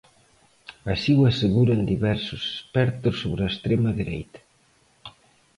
Así o aseguran diversos expertos sobre a extrema dereita.